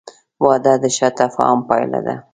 • واده د ښه تفاهم پایله ده.